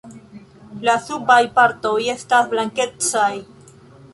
La subaj partoj estas blankecaj.